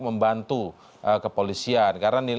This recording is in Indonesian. membantu kepolisian karena